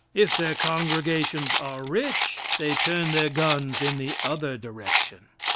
If their congregations are rich they turn their guns in the other direction.